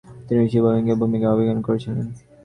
তিনি ঋষি বাল্মীকির ভূমিকায় অভিনয় করেছিলেন।